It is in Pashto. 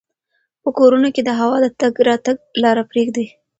په کورونو کې د هوا د تګ راتګ لاره پریږدئ.